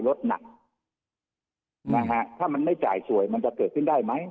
หนักนะฮะถ้ามันไม่จ่ายสวยมันจะเกิดขึ้นได้ไหม